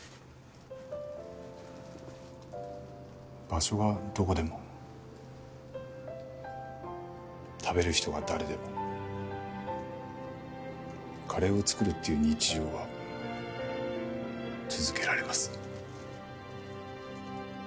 場所がどこでも食べる人が誰でもカレーを作るっていう日常は続けられます。